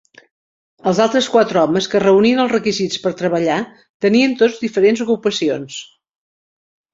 Els altres quatre homes que reunien els requisits per treballar tenien tots diferents ocupacions.